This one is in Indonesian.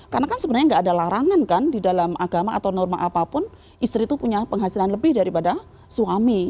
karena kan sebenarnya tidak ada larangan kan di dalam agama atau norma apapun istri itu punya penghasilan lebih daripada suami